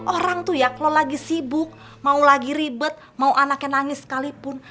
orang tuh ya kalau lagi sibuk mau lagi ribet mau anaknya nangis sekalipun